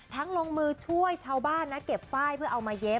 ลงมือช่วยชาวบ้านนะเก็บฝ้ายเพื่อเอามาเย็บ